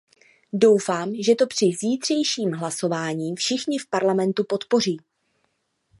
Doufám, že to při zítřejším hlasování všichni v Parlamentu podpoří.